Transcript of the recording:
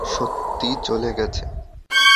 সত্যি চলে গেছে?